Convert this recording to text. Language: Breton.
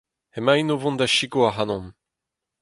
Emaint o vont da sikour ac’hanomp.